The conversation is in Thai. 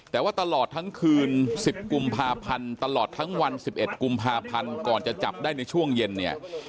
แต่ว่าตลอดทั้งคืน๑๐กุมภาพันธ์ตลอดทั้งวัน๑๑กุมภาพันธ์ก่อนจะจับได้ในช่วงเย็นเนี่ย